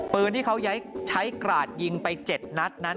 ปืนที่เขาใช้กราดยิงไป๗นัดนั้น